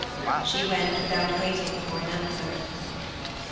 She went without waiting for an an swer.